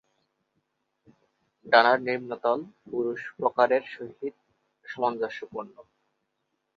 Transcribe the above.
ডানার নিম্নতল পুরুষ প্রকারের সহিত সামঞ্জস্যপূর্ণ।